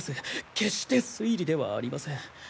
決して推理ではありません。